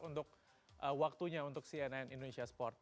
untuk waktunya untuk cnn indonesia sport